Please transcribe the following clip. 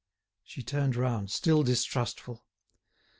She turned round, still distrustful.